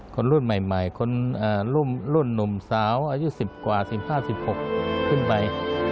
คนรุ่นใหม่คนรุ่นหนุ่มสาวอายุ๑๐กว่า๑๕๑๖ขึ้นไป